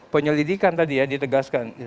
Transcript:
penyelidikan tadi ya ditegaskan